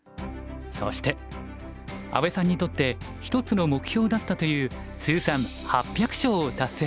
そして阿部さんにとって一つの目標だったという通算８００勝を達成。